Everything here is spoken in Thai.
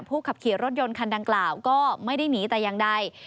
ขับขี่รถยนต์คันดังกล่าวก็ไม่ได้หนีแต่อย่างใด